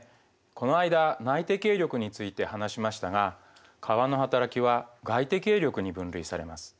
この間内的営力について話しましたが川のはたらきは外的営力に分類されます。